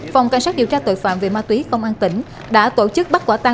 phòng cảnh sát điều tra tội phạm về ma túy công an tỉnh đã tổ chức bắt quả tang